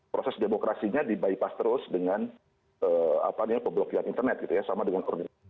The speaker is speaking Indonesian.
proses demokrasinya di bypass terus dengan apa namanya pemblokian internet gitu ya sama dengan